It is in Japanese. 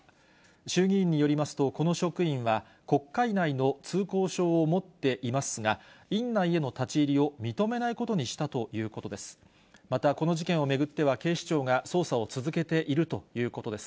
衆議院によりますと、この職員は国会内の通行証を持っていますが、院内への立ち入りを認めないことにしたということです。